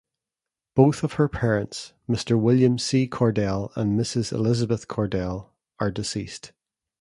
Both of her parents, Mr. William C. Cordell and Mrs. Elizabeth Cordell, are deceased.